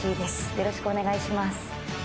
よろしくお願いします。